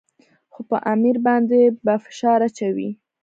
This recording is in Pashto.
خو پر امیر باندې به فشار اچوي.